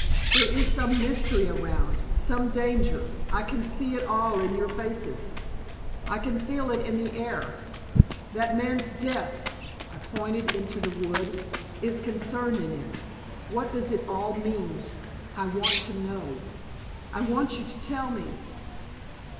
There is some mystery around, some danger. I can see it all in your faces; I can feel it in the air. That man's death" I pointed into the wood "is concerned in it. What does it all mean? I want to know. I want you to tell me."